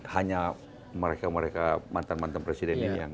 hanya mereka mereka mantan mantan presiden ini yang